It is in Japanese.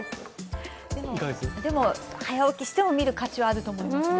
でも早起きしても見る価値はあると思いますね。